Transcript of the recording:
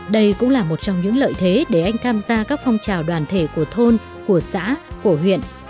đây cũng là một trong những lợi thế để anh tham gia các phong trào đoàn thể của thôn của xã của huyện